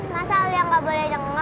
masa alia gak boleh denger